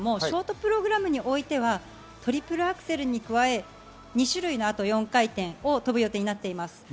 ショートプログラムにおいてはトリプルアクセルに加え、２種類の４回転を跳ぶ予定になっています。